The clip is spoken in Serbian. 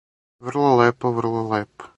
Врло лепо, врло лепо!